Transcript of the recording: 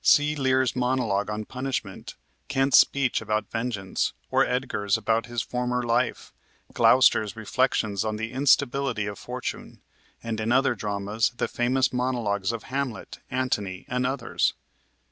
"See Lear's monolog on punishment, Kent's speech about vengeance, or Edgar's about his former life, Gloucester's reflections on the instability of fortune, and, in other dramas, the famous monologs of Hamlet, Antony, and others."